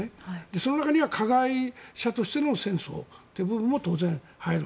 その中には加害者としての戦争という部分も当然入る。